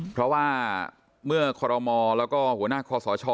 เพราะว่าเมื่อคอรมอแล้วก็หัวหน้าคอสช